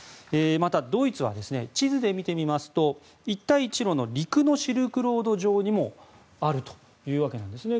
また、ドイツは地図で見てみますと一帯一路の陸のシルクロード上にもあるというわけなんですね。